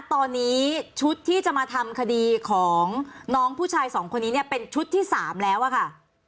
ตอนนี้ชุดที่จะมาทำคดีของน้องผู้ชายสองคนนี้เนี่ยเป็นชุดที่๓แล้วอะค่ะ